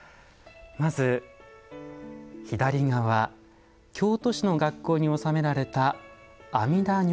まず左側京都市の学校に納められた阿弥陀如来像。